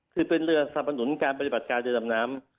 คือเป็นเรือสนับสนุนการปฏิบัติการเรือดำน้ำ